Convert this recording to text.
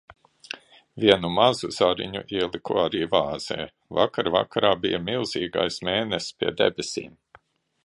Vienu mazu zariņu ieliku arī vāzē. Vakar vakarā bija milzīgais mēness pie debesīm.